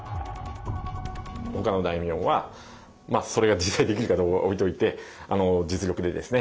ほかの大名はそれが実際できるかどうかは置いといて実力でですね